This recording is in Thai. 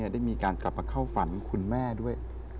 ได้มีการกลับมาเข้าฝันคุณแม่ด้วย